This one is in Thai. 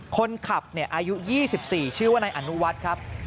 คนขับอายุ๒๔ชื่อว่านายอนุวัฒน์ครับ